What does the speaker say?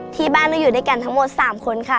ที่บ้านเราอยู่ด้วยกันทั้งหมด๓คนค่ะ